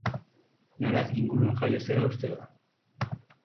Nara inguruan jaio zela uste da.